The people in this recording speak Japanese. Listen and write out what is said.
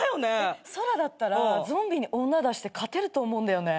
そらだったらゾンビに女出して勝てると思うんだよね。